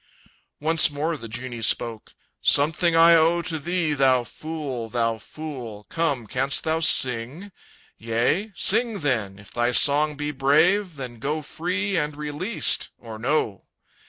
Once more the genie spoke: "Something I owe To thee, thou fool, thou fool. Come, canst thou sing? Yea? Sing then; if thy song be brave, then go Free and released or no!